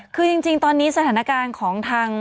คือจริงตอนนี้สถานการณ์ของทาง